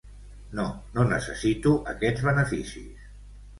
No, no necessito aquests beneficis.